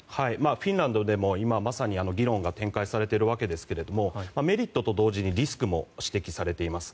フィンランドでも今まさに議論が展開されているわけですがメリットと同時にリスクも指摘されています。